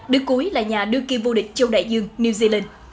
đứa cuối là nhà đưa kia vô địch châu đại dương new zealand